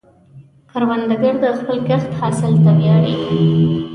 کروندګر د خپل کښت حاصل ته ویاړي